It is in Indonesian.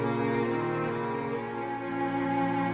mau beli rotan